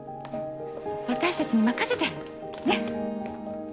私たちに任せてねっ。